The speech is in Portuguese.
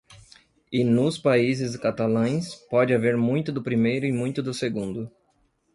E nos países catalães pode haver muito do primeiro e muito pouco do segundo.